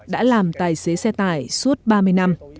đã làm tài xế xe tải suốt ba mươi năm